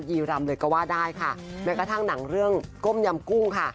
ีรำเลยก็ว่าได้ค่ะแม้กระทั่งหนังเรื่องก้มยำกุ้งค่ะ